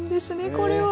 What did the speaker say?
これは！